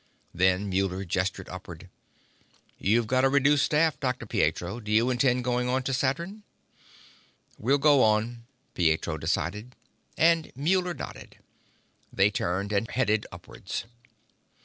Then Muller gestured upwards. "You've got a reduced staff, Dr. Pietro. Do you intend going on to Saturn?" "We'll go on," Pietro decided. And Muller nodded. They turned and headed upwards.